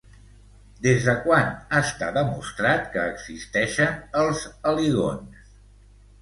Des de quan està demostrat que existeixen els aligons?